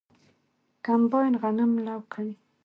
کمباین غنم لو کوي.